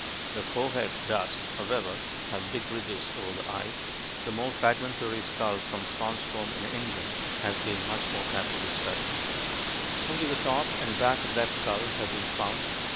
The forehead does, however, have big ridges over the eyes. The more fragmentary skull from Swanscombe in England (p. 11) has been much more carefully studied. Only the top and back of that skull have been found.